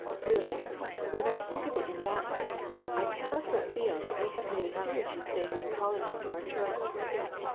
Really, when I think of it in that light I cannot but feel that we have made a serious mistake in calling him to our church.